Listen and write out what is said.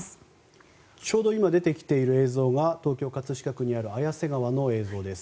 ちょうど今出てきている映像が東京・葛飾区にある綾瀬川の映像です。